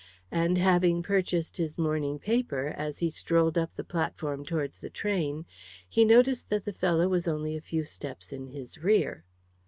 And, having purchased his morning paper, as he strolled up the platform towards the train, he noticed that the fellow was only a few steps in his rear.